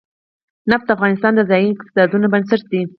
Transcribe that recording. نفت د افغانستان د ځایي اقتصادونو بنسټ دی.